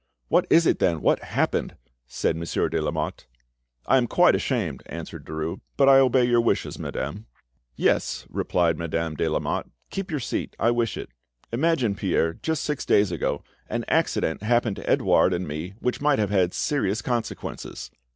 "What is it, then? What happened?" said Monsieur de Lamotte. "I am quite ashamed," answered Derues; "but I obey your wishes, madame." "Yes," replied Madame de Lamotte, "keep your seat, I wish it. Imagine, Pierre, just six days ago, an accident happened to Edouard and me which might have had serious consequences."